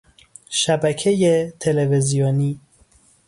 شبکهی تلویزیونی